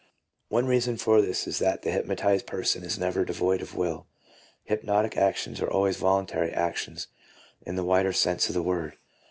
2 One reason for this is that the hypnotized person is never devoid of will. " Hypnotic actions are always voluntary actions in the wider sense of the word."